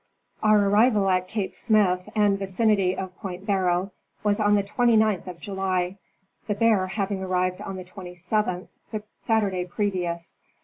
Our arrival at Cape Smyth and vicinity of Point Barrow was on the 29th of July, the Bear having arrived on the 27th, the Saturday previous.